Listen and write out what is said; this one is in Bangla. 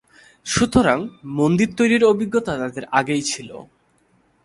সুতরাং, মন্দির তৈরির অভিজ্ঞতা তাঁদের আগেই ছিল।